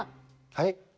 はい？